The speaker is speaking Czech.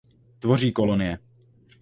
Tvoří kolonie.